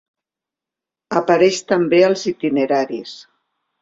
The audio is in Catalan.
Apareix també als Itineraris.